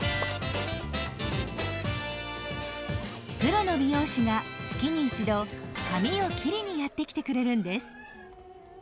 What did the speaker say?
プロの美容師が月に１度髪を切りにやって来てくれるんです。